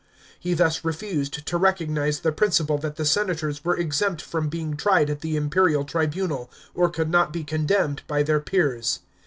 He thus refused to recognise the principle that the senators were exempt from being tried at the imperial tribunal, or could not be condemned by their peers.